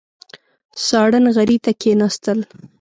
ساړه نغري ته کېناستل.